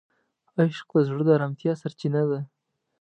عشق د زړه د آرامتیا سرچینه ده.